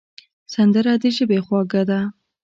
سندره د ژبې خواږه ده